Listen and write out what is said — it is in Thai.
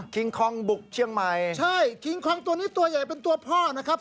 คองบุกเชียงใหม่ใช่คิงคองตัวนี้ตัวใหญ่เป็นตัวพ่อนะครับ